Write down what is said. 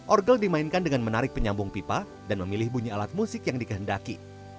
orgel dimainkan dengan menarik penyambung pipa dan memilih bunyi alat musik yang dikehendaki